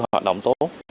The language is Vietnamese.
chưa có hoạt động tốt